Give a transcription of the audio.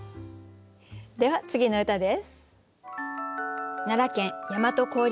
では次の歌です。